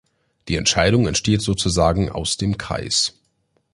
Die Entscheidung entsteht sozusagen „aus dem Kreis“.